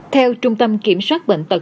theo trung tâm kiểm soát bệnh tật